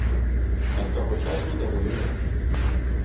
А з таго часу даволі рэдка.